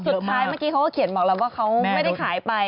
สรุปสุดท้ายเมื่อกี้เขาก็เขียนบอกแล้วว่าเขาไม่ได้ขายไป